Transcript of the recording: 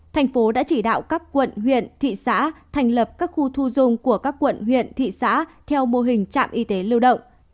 thành phố đã chỉ đạo các quận huyện thị xã thành lập các khu thu dung của các quận huyện thị xã theo mô hình trạm y tế lưu động